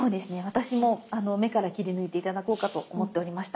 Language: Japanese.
私もあの目から切り抜いて頂こうかと思っておりました。